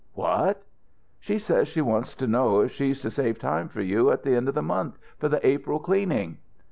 What?... She says she wants to know if she's to save time for you at the end of the month for the April cleaning."